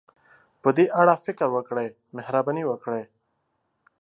په دې اړه فکر وکړئ، مهرباني وکړئ.